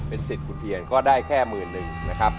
เป็นสิทธิ์คุณเพียรก็ได้แค่มือหนึ่งนะครับ